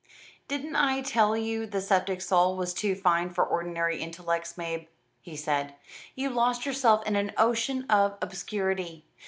"Didn't I tell you 'The Sceptic Soul' was too fine for ordinary intellects, Mab?" he said. "You lost yourself in an ocean of obscurity.